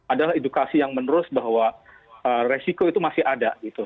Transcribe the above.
adalah edukasi yang menerus bahwa resiko itu masih ada gitu